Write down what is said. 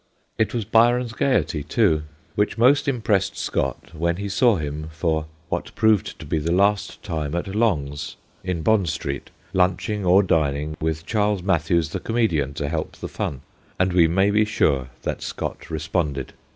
It was Byron's gaiety, too, which most im pressed Scott when he saw him for what proved to be the last time at Long's, in Bond Street, lunching or dining, with Charles Mathews the comedian to help the fun, and we may be sure that Scott responded.